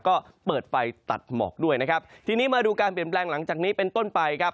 ก็เปิดไฟตัดหมอกด้วยนะครับทีนี้มาดูการเปลี่ยนแปลงหลังจากนี้เป็นต้นไปครับ